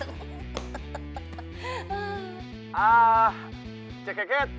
hah si ceket